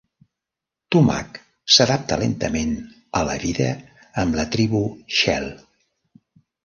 Tumak s'adapta lentament a la vida amb la Tribu Shell.